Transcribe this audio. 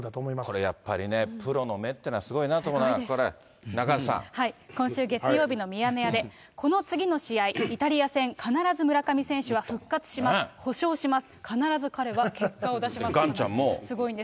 これやっぱりね、プロの目というのはすごいなと思うのはこれ、今週月曜日のミヤネ屋で、この次の試合、イタリア戦、必ず村上選手は復活します、保証します。